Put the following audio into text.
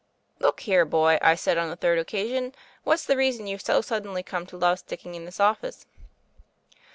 "Look here, boy," I said on the third occa sion, "what's the reason you've so suddenly come to love sticking in this office?"